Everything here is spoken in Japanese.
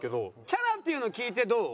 キャラっていうのを聞いてどう？